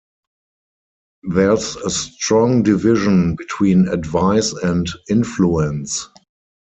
There's a strong division between advice and influence.